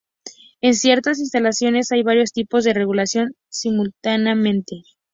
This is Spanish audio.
En ciertas instalaciones hay varios tipos de regulación simultáneamente.